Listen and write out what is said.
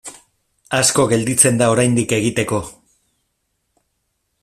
Asko gelditzen da oraindik egiteko.